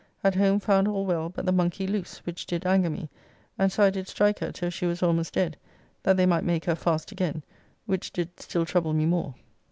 At home found all well, but the monkey loose, which did anger me, and so I did strike her till she was almost dead, that they might make her fast again, which did still trouble me more.